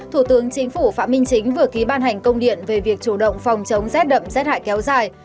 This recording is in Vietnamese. thủ tướng chính phủ phạm minh chính vừa ký ban hành công điện về việc chủ động phòng chống rét đậm rét hại kéo dài